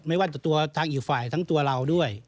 ไม่ว่าจะตัวทางอีกฝ่ายทั้งตัวเราด้วย